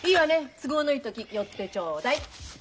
都合のいい時寄ってちょうだい。